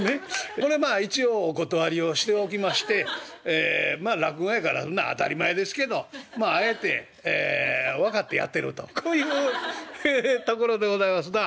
これまあ一応お断りをしておきましてまあ落語やからそんなん当たり前ですけどまああえて分かってやってるとこういうところでございますな。